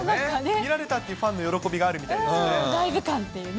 見られたというファンの喜びがあるみたいですね。